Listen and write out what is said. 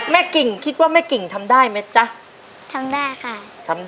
มาลูกมามามามา